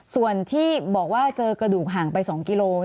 ส่วนที่บอกว่าเจอกระดูกห่างไป๒กิโล